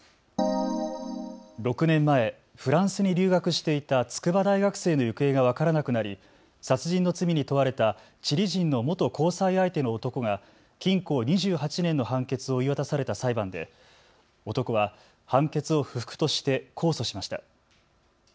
６年前、フランスに留学していた筑波大学生の行方が分からなくなり殺人の罪に問われたチリ人の元交際相手の男が、禁錮２８年の判決を言い渡された裁判で男は判決を不服として控訴しました。